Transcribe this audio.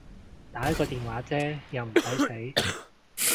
打個電話啫又唔駛死